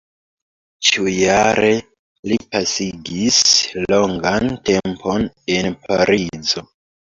Ĉiujare li pasigis longan tempon en Parizo.